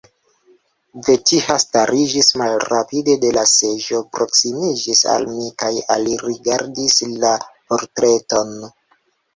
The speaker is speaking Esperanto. Vetiha stariĝis malrapide de la seĝo, proksimiĝis al mi kaj alrigardis la portreton.